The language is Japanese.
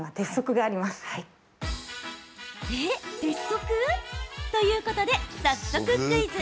え、鉄則？ということで、早速クイズ。